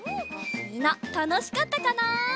みんなたのしかったかな？